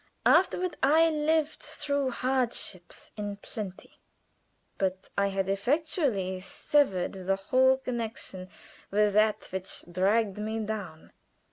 Afterward I lived through hardships in plenty; but I had effectually severed the whole connection with that which dragged me down.